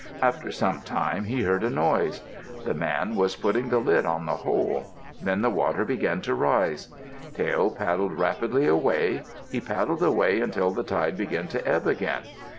After some time he heard a noise. The man was putting the lid on the hole. Then the water began to rise. Tael paddled rapidly away. He paddled away until the tide began to ebb again.